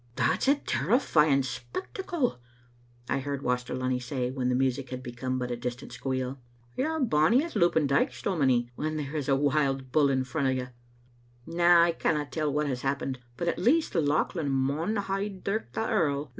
"That's a terrifying spectacle," I heard Waster Lunny say when the music had become but a distant squeal. "You're bonny at louping dykes, dominie, when there is a wild bull in front o' you. Na, I canna tell what has happened, but at the least Lauchlan maun hae dirked the earl.